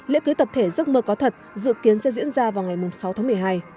lễ cưới tập thể giấc mơ có thật dự kiến sẽ diễn ra vào ngày sáu tháng một mươi hai